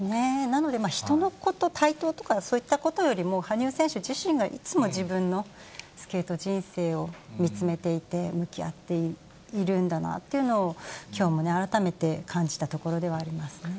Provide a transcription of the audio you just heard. なので、人のこと、台頭とか、そういったことよりも、羽生選手自身がいつも自分のスケート人生を見つめていて、向き合っているんだなっていうのを、きょうも改めて感じたところではありますね。